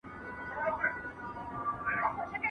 نوم، لقب او د پوهې درجې باید ښکاره شي.